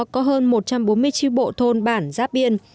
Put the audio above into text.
có hơn một trăm bốn mươi tri bộ thôn bản giáp biên